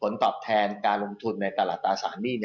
และการลงทุนในตลาดตาสารหนี้